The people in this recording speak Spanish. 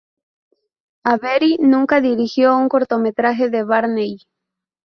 Avery nunca dirigió un cortometraje de Barney.